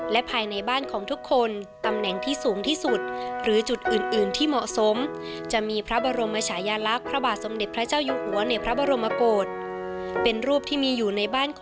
และก็ทำประโยชน์ให้กับพระบาท